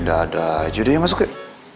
dadu aja udah ya masuk yuk